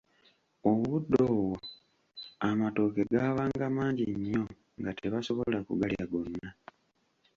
Obudde obwo amatooke gaabanga mangi nnyo nga tebasobola kugalya gonna.